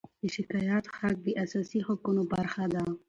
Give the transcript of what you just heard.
د شکایت حق د اساسي حقونو برخه ده.